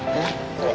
これ。